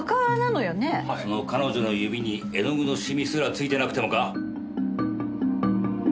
その彼女の指に絵の具の染みすらついてなくてもか？